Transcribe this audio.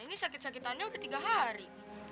ini sakit sakitannya udah tiga hari